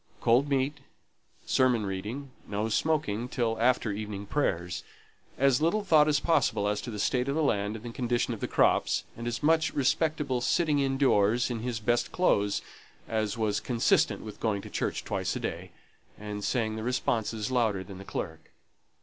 Cold meat, sermon reading, no smoking till after evening prayers, as little thought as possible as to the state of the land and the condition of the crops, and as much respectable sitting in doors in his best clothes as was consistent with going to church twice a day, and saying the responses louder than the clerk.